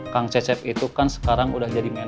kang cecep itu kan sekarang udah jadi menko